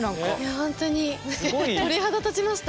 ほんとに鳥肌立ちました。